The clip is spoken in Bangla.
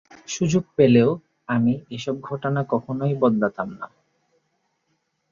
সুযোগ পেলেও আমি এসব ঘটনা কখনোই বদলাতাম না।